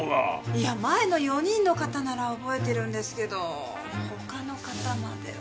いや前の４人の方なら覚えてるんですけど他の方までは。